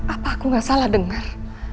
apa aku gak salah dengar